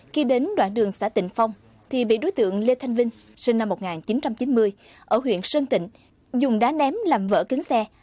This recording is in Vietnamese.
khi đến đoạn đường xã tịnh phong thì bị đối tượng lê thanh vinh sinh năm một nghìn chín trăm chín mươi ở huyện sơn tịnh dùng đá ném làm vỡ kính xe